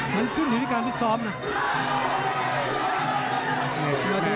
มันขึ้นในการพิสร้อมนะ